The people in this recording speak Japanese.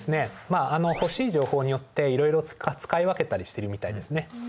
まああの欲しい情報によっていろいろ使い分けたりしてるみたいですね。